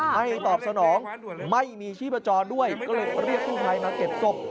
ตอบสนองไม่มีชีพจรด้วยก็เลยเรียกกู้ภัยมาเก็บศพ